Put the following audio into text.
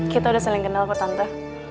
kita udah saling kenal ke tante